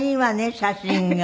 写真が。